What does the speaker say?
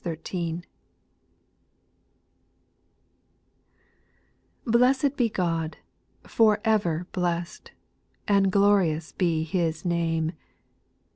IILESSED be God, for ever blest, Jj And glorious be His name